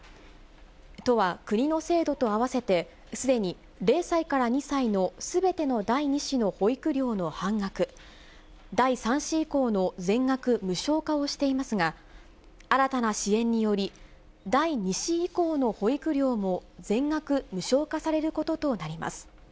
都は国の制度と合わせて、すでに０歳から２歳のすべての第２子の保育料の半額、第３子以降の全額無償化をしていますが、新たな支援により、第２子以降の保育料も全額無償化されることとなります。